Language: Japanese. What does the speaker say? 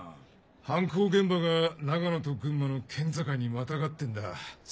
犯行現場が長野と群馬の県境にまたがってんだそれで。